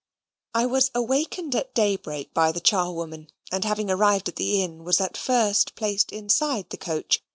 I was awakened at daybreak by the charwoman, and having arrived at the inn, was at first placed inside the coach.